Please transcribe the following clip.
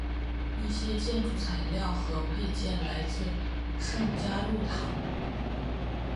一些建筑材料和配件来自圣嘉禄堂。